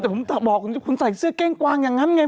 แต่ผมบอกคุณใส่เสื้อเก้งกวางอย่างนั้นไง